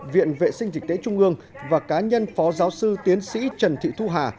viện vệ sinh dịch tế trung ương và cá nhân phó giáo sư tiến sĩ trần thị thu hà